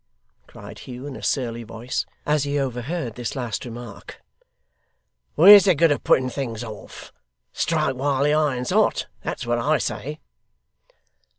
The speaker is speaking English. cried Hugh in a surly voice, as he overheard this last remark. 'Where's the good of putting things off? Strike while the iron's hot; that's what I say.